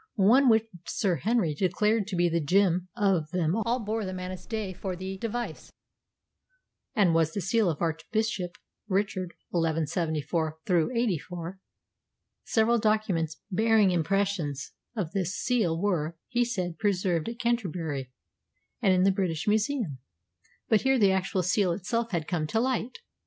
One which Sir Henry declared to be the gem of them all bore the manus Dei for device, and was the seal of Archbishop Richard (1174 84). Several documents bearing impressions of this seal were, he said, preserved at Canterbury and in the British Museum, but here the actual seal itself had come to light.